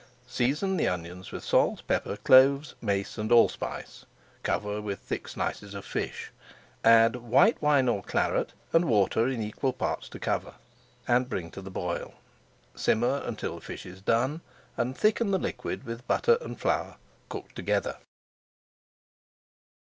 Season the onions with salt, pepper, cloves, mace, and allspice. Cover with thick slices of fish. Add white wine or Claret and water in equal parts to cover, and bring to the boil. Simmer until [Page 483] the fish is done, and thicken the liquid with butter and flour cooked together.